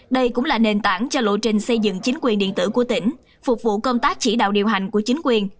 đây cũng là nền tảng cho lộ trình xây dựng chính quyền điện tử của tỉnh phục vụ công tác chỉ đạo điều hành của chính quyền